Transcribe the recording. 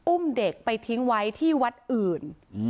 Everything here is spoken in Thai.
อุ้มเด็กไปทิ้งไว้ที่วัดอื่น